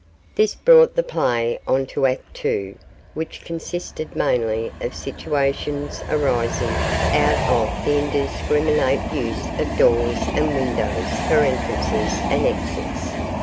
This brought the play on to Act II, which consisted mainly of situations arising out of the indiscriminate use of doors and windows for entrances and exits.